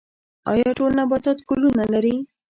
ایا ټول نباتات ګلونه لري؟